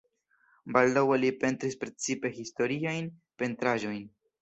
Baldaŭe li pentris precipe historiajn pentraĵojn.